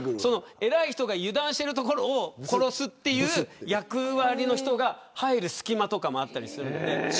えらい人が油断してるところを殺すという役割の人が入る隙間とかもあったりするんです。